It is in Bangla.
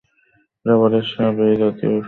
রাবারের সাপ বা এই জাতীয় কিছু?